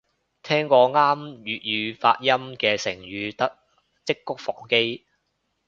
聽過啱粵語發音嘅成語得織菊防基